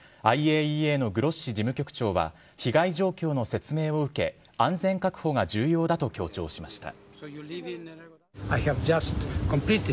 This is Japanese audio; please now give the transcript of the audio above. ＩＡＥＡのグロッシ事務局長は被害状況の説明を受け安全確保が重要だと強調しました。